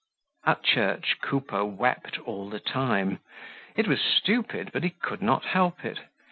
At church Coupeau wept all the time. It was stupid but he could not help it.